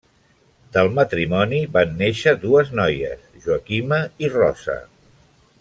Del matrimoni van néixer dues noies, Joaquima i Rosa.